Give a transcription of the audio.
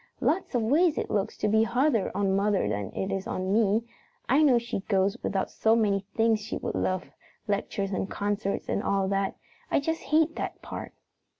"Lots of ways it looks to be harder on mother than it is on me. I know she goes without so many things she would love lectures and concerts and all that. I just hate that part!"